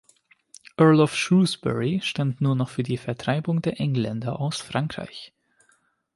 Earl of Shrewsbury, stand nur noch für die Vertreibung der Engländer aus Frankreich.